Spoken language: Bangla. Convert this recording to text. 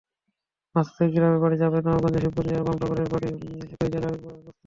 মাসুদের গ্রামের বাড়ি চাঁপাইনবাবগঞ্জের শিবগঞ্জে এবং টগরের বাড়ি একই জেলার গোমস্তাপুরে।